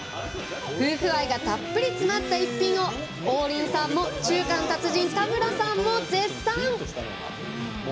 夫婦愛がたっぷり詰まった一品を王林さんも中華の達人、田村さんも絶賛！